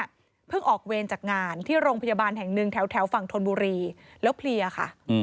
เพิ่งออกเวรจากงานที่โรงพยาบาลแห่งหนึ่งแถวฝั่งธนบุรีแล้วเพลียค่ะ